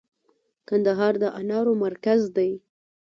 کندهار د انارو مرکز دی